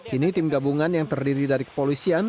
kini tim gabungan yang terdiri dari kepolisian